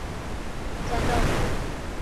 日本昭和天皇宣布终战诏书。